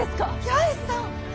八重さん！